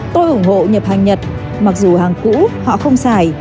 tôi ủng hộ nhập hàng nhật mặc dù hàng cũ họ không xài